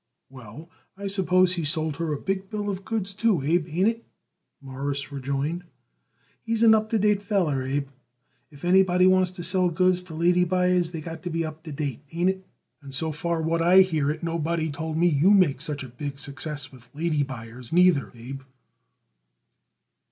"Well, I suppose he sold her a big bill of goods, too, Abe, ain't it?" Morris rejoined. "He's an up to date feller, Abe. If anybody wants to sell goods to lady buyers they got to be up to date, ain't it? And so far what I hear it nobody told it me you made such a big success with lady buyers, neither, Abe."